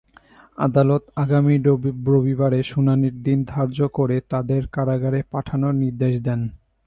আদালত আগামী রোববার শুনানির দিন ধার্য করে তাঁদের কারাগারে পাঠানোর নির্দেশ দেন।